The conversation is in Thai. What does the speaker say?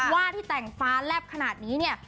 ว่าที่แต่งฟ้าแลบขนาดนี้เนี่ย